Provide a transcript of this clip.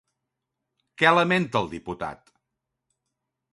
Què lamenta el diputat?